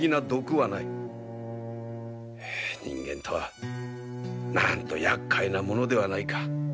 人間とはなんとやっかいなものではないか。